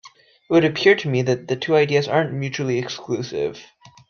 It would appear to me that the two ideas aren't mutually exclusive.